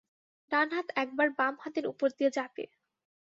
ডান হাত একবার বাম হাতের ওপর দিয়ে যাবে।